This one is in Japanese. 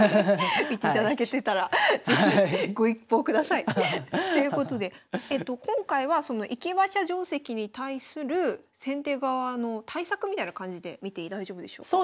見ていただけてたら是非ご一報ください。ということで今回はその駅馬車定跡に対する先手側の対策みたいな感じで見て大丈夫でしょうか？